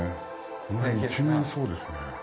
この辺一面そうですね。